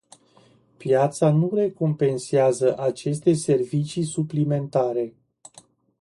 Piața nu recompensează aceste servicii suplimentare.